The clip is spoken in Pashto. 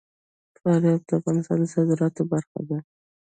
فاریاب د افغانستان د صادراتو برخه ده.